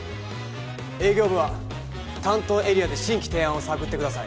営業部は担当エリアで新規提案を探ってください。